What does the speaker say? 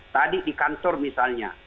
tadi di kantor misalnya